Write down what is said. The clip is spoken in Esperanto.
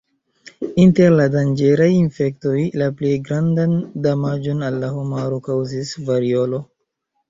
Inter la danĝeraj infektoj, la plej grandan damaĝon al la homaro kaŭzis variolo.